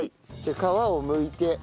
じゃあ皮をむいて。